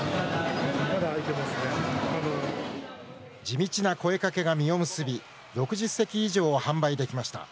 地道な声かけが実を結び６０席以上を販売できました。